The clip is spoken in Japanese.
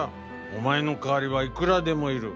お前の代わりはいくらでもいる。